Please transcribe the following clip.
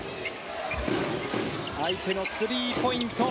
相手のスリーポイント。